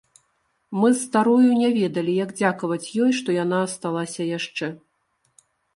Мы з старою не ведалі, як дзякаваць ёй, што яна асталася яшчэ.